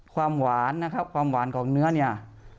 ความหวานนะครับความหวานของเนื้อเนี่ย